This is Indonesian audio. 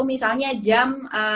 misalnya jam dua belas tiga puluh